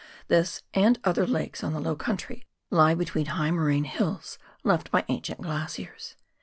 This, and other lakes on the low country, lie between high moraine hills left by ancient glaciers.